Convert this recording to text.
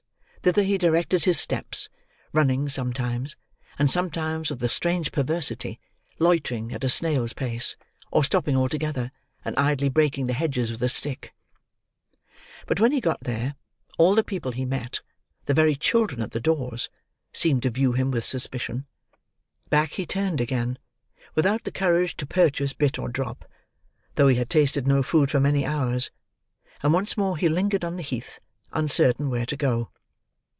Thither he directed his steps,—running sometimes, and sometimes, with a strange perversity, loitering at a snail's pace, or stopping altogether and idly breaking the hedges with a stick. But when he got there, all the people he met—the very children at the doors—seemed to view him with suspicion. Back he turned again, without the courage to purchase bit or drop, though he had tasted no food for many hours; and once more he lingered on the Heath, uncertain where to go.